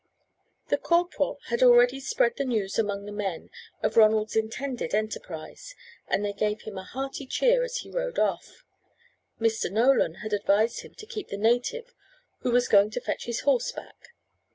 The corporal had already spread the news among the men of Ronald's intended enterprise, and they gave him a hearty cheer as he rode off. Mr. Nolan had advised him to keep the native who was going to fetch his horse back.